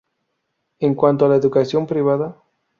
En cuanto a la educación privada.